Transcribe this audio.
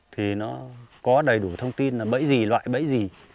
thì nó có đầy đủ thông tin là bẫy gì loại bẫy gì